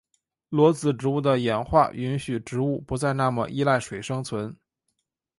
裸子植物的演化允许植物不再那么依赖水生存。